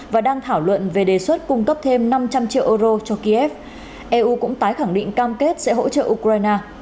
và đang thảo luận về đề xuất cung cấp thêm năm trăm linh triệu euro cho kiev eu cũng tái khẳng định cam kết sẽ hỗ trợ ukraine